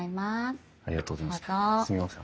すみません